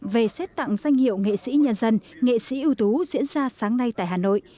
về xét tặng danh hiệu nghệ sĩ nhân dân nghệ sĩ ưu tú diễn ra sáng nay tại hà nội